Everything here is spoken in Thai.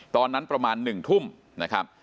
ตอนนั้นประมาณ๑ทุ่มนะครับ